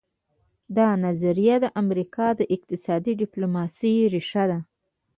دا نظریه د امریکا د اقتصادي ډیپلوماسي ریښه ده